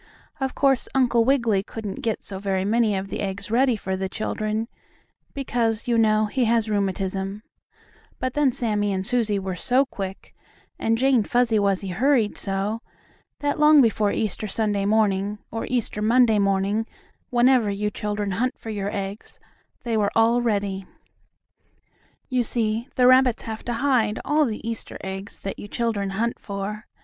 Of course, Uncle Wiggily couldn't get so very many of the eggs ready for the children, because, you know, he has rheumatism, but then Sammie and Susie were so quick, and Jane Fuzzy Wuzzy hurried so, that long before Easter Sunday morning, or Easter Monday morning, whenever you children hunt for your eggs, they were all ready. You see, the rabbits have to hide all the Easter eggs that you children hunt for.